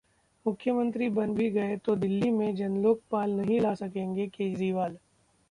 मुख्यमंत्री बन भी गए तो दिल्ली में जनलोकपाल नहीं ला सकेंगे केजरीवाल